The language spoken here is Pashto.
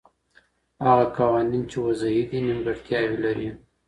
هغه قوانین چي وضعي دي نیمګړتیاوې لري.